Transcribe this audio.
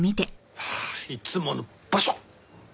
ああいつもの場所！